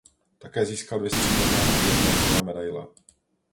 Také získal dvě stříbrné a dvě bronzové medaile.